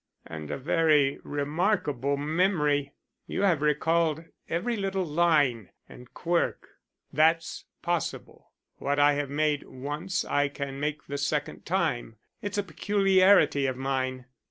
"And a very remarkable memory. You have recalled every little line and quirk." "That's possible. What I have made once I can make the second time. It's a peculiarity of mine."